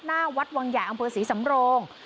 หน้าวัดวังใหญ่อำเภอศรีสำโรง